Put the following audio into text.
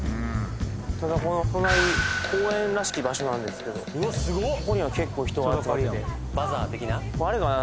ただこの隣公園らしき場所なんですけどここには結構人が集まっててあれかな？